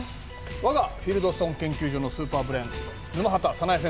わがフィルドストン研究所のスーパーブレーン沼畑早苗先生だ。